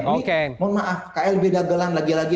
mohon maaf klb dagelan lagi lagi